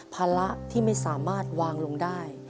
ภาระที่ไม่สามารถวางลงได้